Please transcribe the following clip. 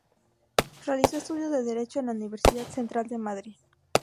Realizó estudios de derecho en la Universidad Central de Madrid.